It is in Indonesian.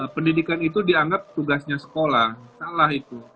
pendidikan itu dianggap tugasnya sekolah salah itu